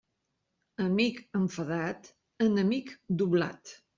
Amic enfadat, enemic doblat.